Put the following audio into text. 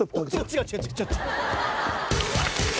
違う違う違う違う。